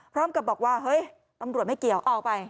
พร้อมกับบอกว่าเฮ้ยตำรวจไม่เกี่ยวออกไป